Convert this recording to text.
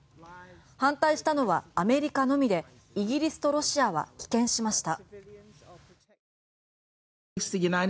反対したのはアメリカのみでイギリスとロシアは棄権しました。